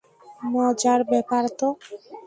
মজার ব্যাপার তো।